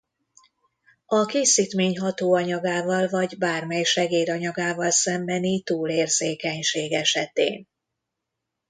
A készítmény hatóanyagával vagy bármely segédanyagával szembeni túlérzékenység esetén.